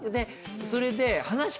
それで。